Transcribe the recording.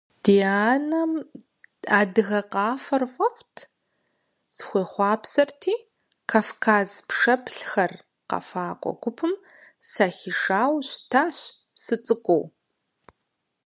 Ди анэм адыгэ къафэр фӀэфӀт, схуехъуапсэрти, «Кавказ пшэплъхэр» къэфакӀуэ гупым сахишауэ щытащ сыцӀыкӀуу.